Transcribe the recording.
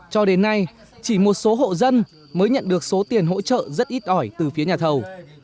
cho đến nay chỉ một số hộ dân mới nhận được số tiền hỗ trợ rất ít ỏi từ phía nhà thầu